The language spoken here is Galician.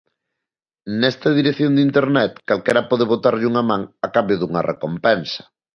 Nesta dirección de Internet calquera pode botarlle unha man a cambio dunha recompensa.